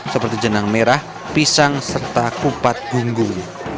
seperti jenang merah pisang serta kupat gunggung